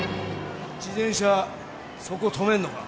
自転車そこ止めるのか？